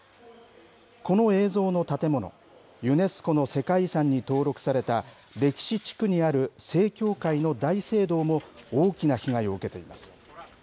この映像の建物、ユネスコの世界遺産に登録された、歴史地区にある正教会の大聖堂も大きな被害を受けています。